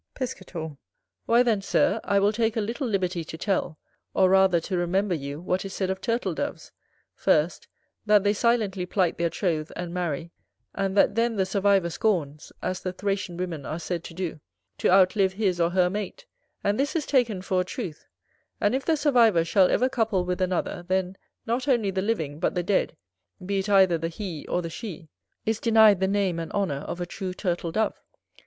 Piscator. Why then, Sir, I will take a little liberty to tell, or rather to remember you what is said of Turtle doves; first, that they silently plight their troth, and marry; and that then the survivor scorns, as the Thracian women are said to do, to outlive his or her mate, and this is taken for a truth; and if the survivor shall ever couple with another, then, not only the living, but the dead, be it either the he or the she, is denied the name and honour of a true Turtle dove.